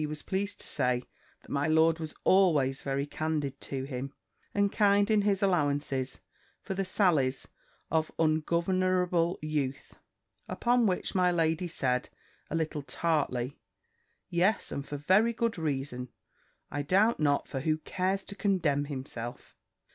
was pleased to say, that my lord was always very candid to him, and kind in his allowances for the sallies of ungovernable youth. Upon which my lady said, a little tartly, "Yes, and for a very good reason, I doubt not; for who cares to condemn himself?"